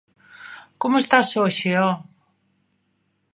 –¡Como estás hoxe, ho!